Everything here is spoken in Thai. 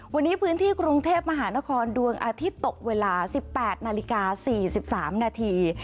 วันนี้พื้นที่กรุงเทพมหานครดวงอาทิตย์ตกเวลา๑๘นาฬิกา๔๓นาที